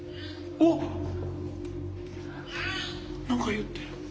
何か言ってる。